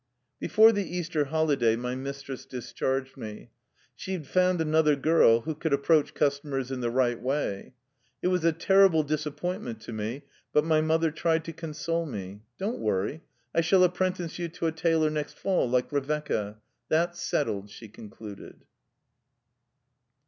Before the Easter holiday my mistress dis charged me. She had found another girl, who could approach customers in the right way. It was a terrible disappointment to me, but my mother tried to console me. " Don't worry. I shall apprentice you to a tailor next fall, like Revecca. That's settled," she concluded.